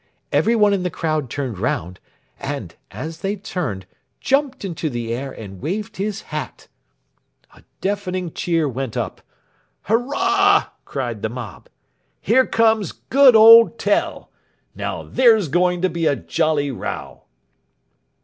Everyone in the crowd turned round, and, as he turned, jumped into the air and waved his hat. [Illustration: PLATE III] A deafening cheer went up. "Hurrah!" cried the mob; "here comes good old Tell! Now there's going to be a jolly row!"